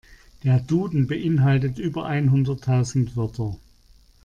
Der Duden beeinhaltet über einhunderttausend Wörter.